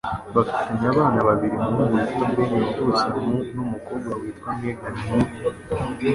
Bafitanye abana babiri, umuhungu witwa Ben wavutse mu , n'umukobwa witwa Megan mu .